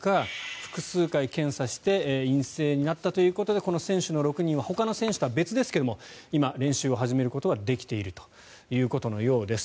複数回検査をして陰性になったということでこの選手６人はほかの選手とは別ですが今、練習を始めることはできているということです。